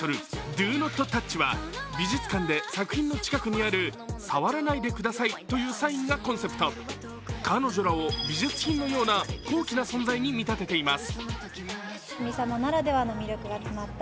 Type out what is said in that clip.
「Ｄｏｎｏｔｔｏｕｃｈ」は美術館で作品の近くにある「触らないでください」というサインがコンセプト・彼女らを美術品のような高貴な存在に見立てています。